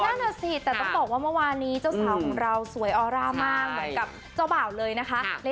นั่นน่ะสิแต่ต้องบอกว่าเมื่อวานนี้เจ้าสาวของเราสวยออร่ามากเหมือนกับเจ้าบ่าวเลยนะคะ